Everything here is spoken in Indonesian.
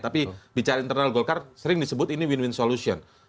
tapi bicara internal golkar sering disebut ini win win solution